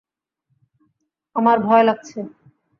আমার ভয় লাগছে!